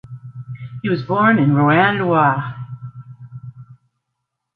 He was born in Roanne, Loire.